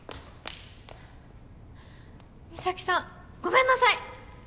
美咲さんごめんなさい！